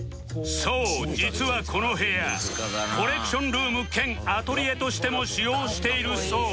そう実はこの部屋コレクションルーム兼アトリエとしても使用しているそう